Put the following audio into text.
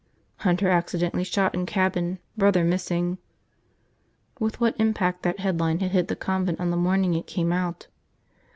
"Hunter Accidentally Shot in Cabin, Brother Missing." With what impact that headline had hit the convent on the morning it came out!